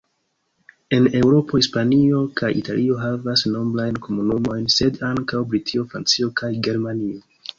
En Eŭropo, Hispanio kaj Italio havas nombrajn komunumojn sed ankaŭ Britio, Francio kaj Germanio.